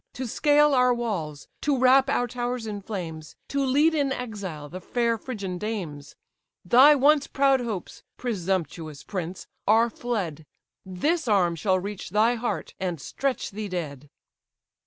To scale our walls, to wrap our towers in flames, To lead in exile the fair Phrygian dames, Thy once proud hopes, presumptuous prince! are fled; This arm shall reach thy heart, and stretch thee dead."